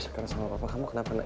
sekarang sama papa kamu kenapa nak